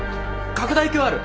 拡大鏡ある？